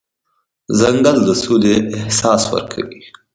ځنګل د سولې احساس ورکوي.